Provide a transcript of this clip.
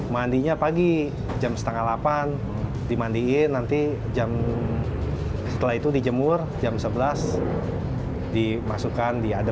mandinya pagi jam setengah delapan dimandiin nanti jam setelah itu dijemur jam sebelas dimasukkan diaduk